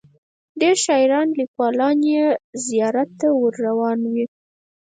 ډیر شاعران لیکوالان یې زیارت ته ور روان وي.